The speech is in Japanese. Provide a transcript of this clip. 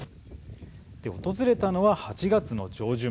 訪れたのは、８月の上旬。